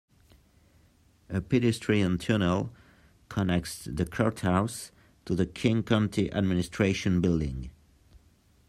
A pedestrian tunnel connects the courthouse to the King County Administration Building.